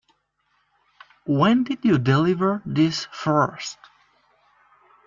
When did you deliver this first?